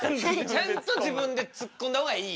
ちゃんと自分でツッコんだ方がいい。